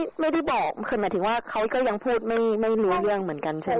ไม่ได้บอกคือหมายถึงว่าเขาก็ยังพูดไม่รู้เรื่องเหมือนกันใช่ไหม